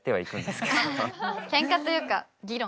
ケンカというか議論。